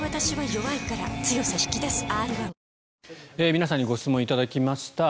皆さんにご質問頂きました。